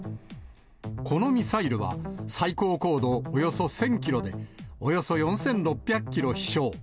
このミサイルは、最高高度およそ１０００キロで、およそ４６００キロ飛しょう。